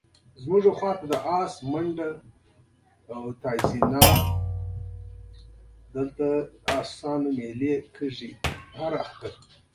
دا چاره تر ډېره بریده طبیعي ده.